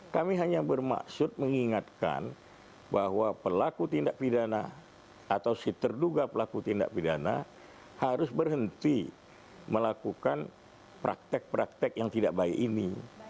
kami hanya bermaksud mengingatkan bahwa pelaku tindak pidana atau si terduga pelaku tindak pidana harus berhenti melakukan praktek praktek yang tidak baik ini